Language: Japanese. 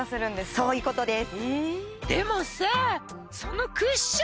そういうことです